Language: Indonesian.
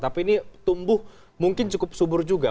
tapi ini tumbuh mungkin cukup subur juga